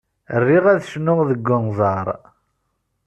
Riɣ ad cnuɣ deg unẓar.